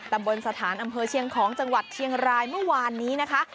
บนสถานอำเภอเชียงของจังหวัดเชียงรายเมื่อวานนี้นะคะ